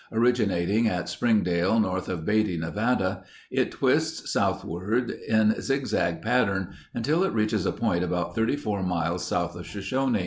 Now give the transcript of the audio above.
Originating at Springdale, north of Beatty, Nevada, it twists southward in zigzag pattern until it reaches a point about 34 miles south of Shoshone.